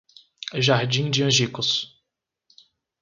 Jardim de Angicos